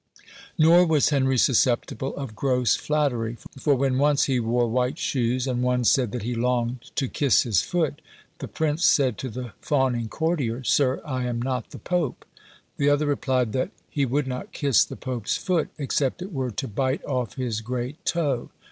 Nor was Henry susceptible of gross flattery, for when once he wore white shoes, and one said that he longed to kiss his foot, the prince said to the fawning courtier, "Sir, I am not the pope;" the other replied that "he would not kiss the pope's foot, except it were to bite off his great toe."